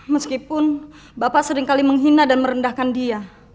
meskipun bapak seringkali menghina dan merendahkan dia